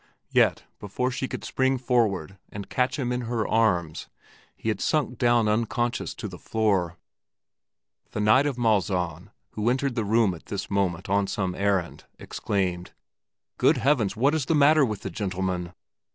yet, before she could spring forward and catch him in her arms, he had sunk down unconscious to the floor. The Knight of Malzahn who entered the room at this moment on some errand, exclaimed, "Good heavens, what is the matter with the gentleman!"